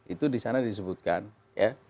itu di sana disebutkan ya